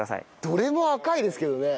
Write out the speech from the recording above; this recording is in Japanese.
どれも赤いですけどね。